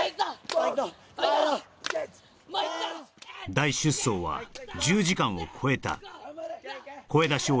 大出走は１０時間を超えた・５！